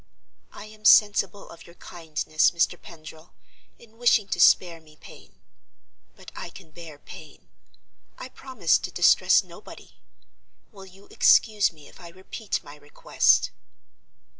"I am sensible of your kindness, Mr. Pendril, in wishing to spare me pain. But I can bear pain; I promise to distress nobody. Will you excuse me if I repeat my request?"